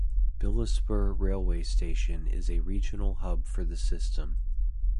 Bilaspur Railway Station is a regional hub for the system.